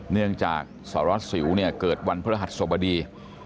เนื่องจากสารวัสสิวเนี่ยเกิดวันพฤหัสสบดี